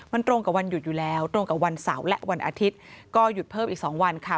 มันตรงกับวันหยุดอยู่แล้วตรงกับวันเสาร์และวันอาทิตย์ก็หยุดเพิ่มอีก๒วันค่ะ